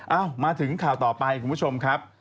มาถึงข่าวต่อไปคุณผู้ชมครับ